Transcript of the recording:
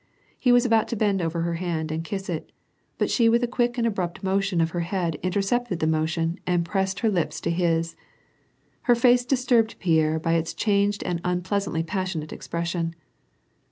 He was about to bend over her hand, and kiss it, but she with a quick and abrupt motion of her head intercepted the motion, and pressed her lips to his. Her face disturbed Pierre by its changed and unpleasantly passionate expression.